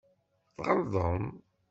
Tɣelḍem.